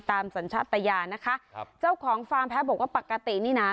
สัญชาตยานะคะครับเจ้าของฟาร์มแพ้บอกว่าปกตินี่น่ะ